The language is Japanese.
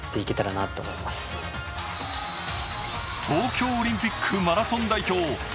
東京オリンピックマラソン代表